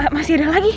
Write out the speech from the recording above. masih ada lagi